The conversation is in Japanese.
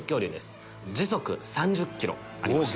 時速３０キロありました。